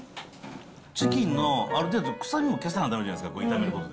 チキンのある程度、臭みも消さなだめじゃないですか、炒めると。